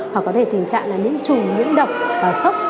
hoặc có thể tình trạng là nhiễm trùng nhiễm độc và sốc